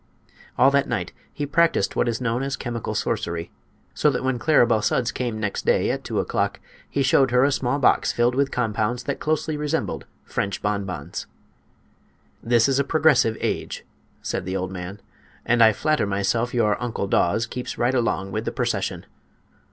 All that night he practiced what is known as chemical sorcery; so that when Claribel Sudds came next day at two o'clock he showed her a small box filled with compounds that closely resembled French bonbons. "This is a progressive age," said the old man, "and I flatter myself your Uncle Daws keeps right along with the procession.